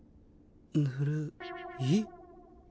ぬるい。